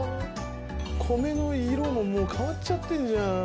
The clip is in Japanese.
米の色ももう変わっちゃってんじゃん。